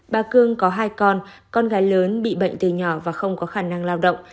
bà cương có hai con con gái lớn bị bệnh từ nhỏ và không có khả năng lao động